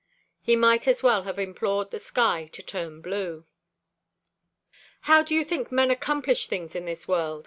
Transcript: He might as well have implored the sky to turn blue. "How do you think men accomplish things in this world?"